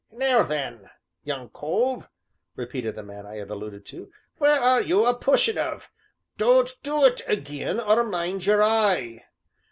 "Now then, young cove," repeated the man I have alluded to, "where are you a pushing of? Don't do it again, or mind your eye!"